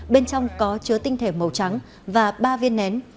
bên trong có chứa tinh thể màu trắng và ba viên nén